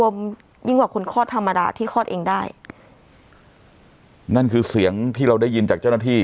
ยิ่งกว่าคนคลอดธรรมดาที่คลอดเองได้นั่นคือเสียงที่เราได้ยินจากเจ้าหน้าที่